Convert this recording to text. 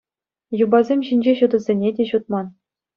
Юпасем ҫинчи ҫутӑсене те ҫутман.